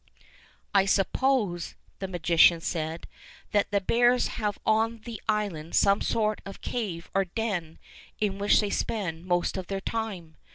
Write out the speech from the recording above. "I suppose," the magician said, ''that the bears have on the island some sort of a cave or den in which they spend most of their time.